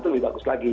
itu lebih bagus lagi